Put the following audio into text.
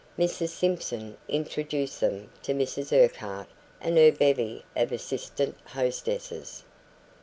Mrs Simpson introduced them to Mrs Urquhart and her bevy of assistant hostesses.